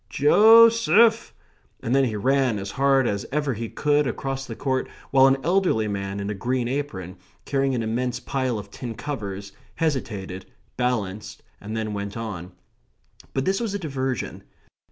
Jo seph!" and then he ran as hard as ever he could across the court, while an elderly man, in a green apron, carrying an immense pile of tin covers, hesitated, balanced, and then went on. But this was a diversion.